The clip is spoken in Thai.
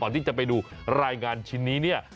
ตอนที่จะไปดูรายงานชิ้นนี้